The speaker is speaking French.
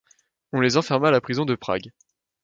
On les enferma à la prison de Prague.